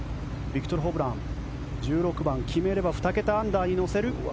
ビクトル・ホブラン１６番、決めれば２桁アンダーに乗せる。